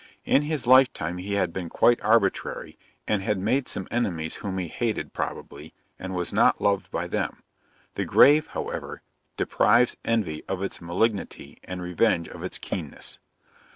In his life time he had been quite arbitrary, and had made some enemies whom he hated, probably, and was not loved by them. The grave, however, deprives envy of its malignity, and revenge of its keenness.